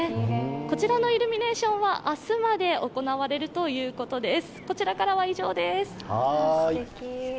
こちらのイルミネーションは明日まで行われるということです。